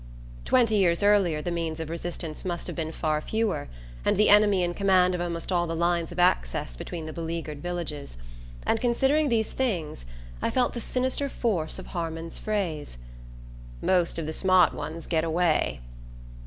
Twenty years earlier the means of resistance must have been far fewer, and the enemy in command of almost all the lines of access between the beleaguered villages; and, considering these things, I felt the sinister force of Harmon's phrase: "Most of the smart ones get away."